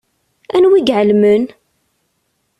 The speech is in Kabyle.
Anwa i iɛelmen?